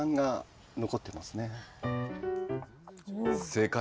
正解。